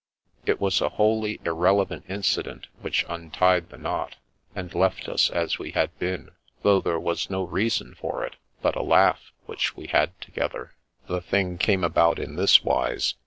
It was a wholly irrelevant incident which untied the knot, and left us as we had been, though there was no reason for it but a laugh which we had together. The thing came about in this wise.